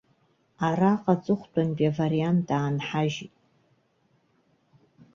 Араҟа аҵыхәтәантәи авариант аанҳажьит.